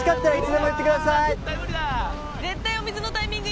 絶対お水のタイミング